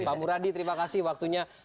pak muradi terima kasih waktunya